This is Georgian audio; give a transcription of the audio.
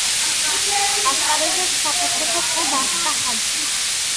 ასპარეზობს საფეხბურთო კლუბ „ასტრახანში“.